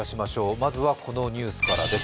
まずは、このニュースからです。